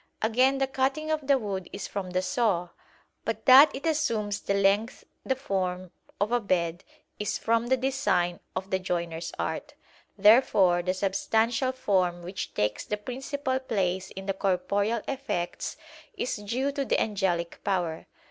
Again the cutting of the wood is from the saw; but that it assumes the length the form of a bed is from the design of the [joiner's] art. Therefore the substantial form which takes the principal place in the corporeal effects, is due to the angelic power.